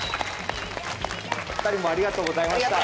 お二人もありがとうございました。